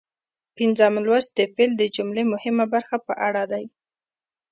پنځم لوست د فعل د جملې مهمه برخه په اړه دی.